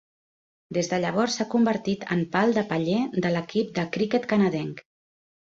Des de llavors s'ha convertit en pal de paller de l'equip de criquet canadenc.